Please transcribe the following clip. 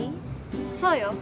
そうよ。